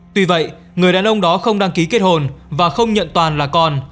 tuy vậy người đàn ông đó không đăng ký kết hồn và không nhận toàn là còn